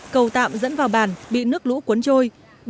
cầu tạm dẫn vào bản bị nước lũ cuốn trôi